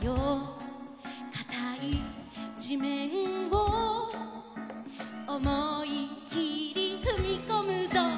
「かたいじめんをおもいきりふみこむぞ」